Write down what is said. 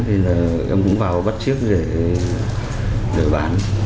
thì em cũng vào bắt chiếc để bán